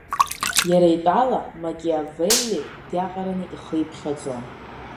Иара итәала Макиавелли диаҟараны ихы иԥхьаӡон.